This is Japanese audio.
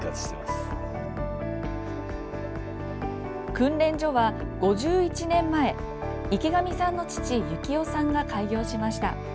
訓練所は、５１年前池上さんの父・行雄さんが開業しました。